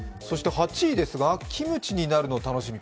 ８位ですがキムチになるの楽しみ